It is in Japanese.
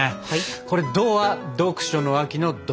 これ「ド」は読書の秋の「ド」。